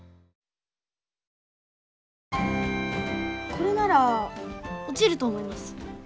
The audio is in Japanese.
これなら落ちると思います！